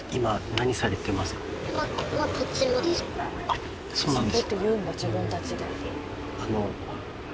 あっそうなんです